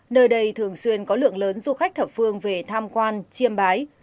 nơi đây thường xuyên có lượng lớn du khách thập phương về tham quan chiêm bái